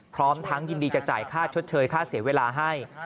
พร้อมทั้งยินดีจะจ่ายค่าชดเชยค่าเสียเวลาให้